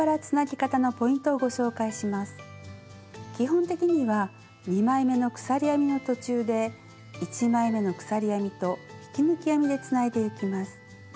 基本的には２枚めの鎖編みの途中で１枚めの鎖編みと引き抜き編みでつないでいきます。